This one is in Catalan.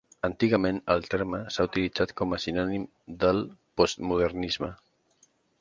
Antigament el terme s'ha utilitzat com a sinònim del Postmodernisme.